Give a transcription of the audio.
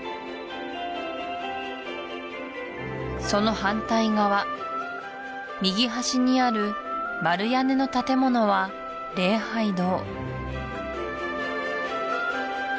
その反対側右端にある丸屋根の建物は礼拝堂